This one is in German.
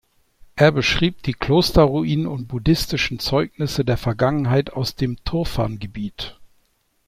Er beschrieb die Klosterruinen und buddhistischen Zeugnisse der Vergangenheit aus dem Turfan-Gebiet.